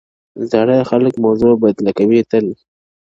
زاړه خلک موضوع بدله کوي تل,